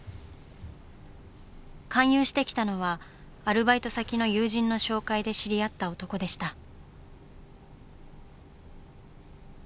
勧誘してきたのはアルバイト先の友人の紹介で知り合った男でした。